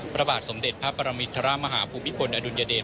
ประบาทสมเด็จพระปรมิษฐรมาฮาภูพิปลอดุญเดช